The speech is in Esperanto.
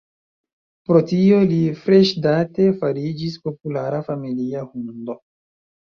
Pro tio, li freŝdate fariĝis populara familia hundo.